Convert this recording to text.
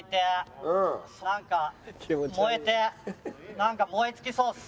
なんか燃え尽きそうっす。